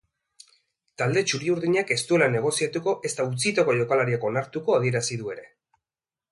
Talde txuri-urdinak ez duela negoziatuko ezta utzitako jokalariak onartuko adierazi du ere.